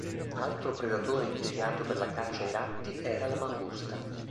Altro predatore impiegato per la caccia ai ratti era la mangusta.